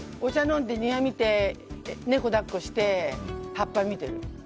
飲んで庭見て猫抱っこして葉っぱ見てる。